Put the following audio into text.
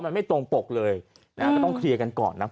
มันไม่ตรงปกเลยนะฮะก็ต้องเคลียร์กันก่อนนะครับ